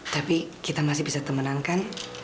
tapi kita masih bisa teman kan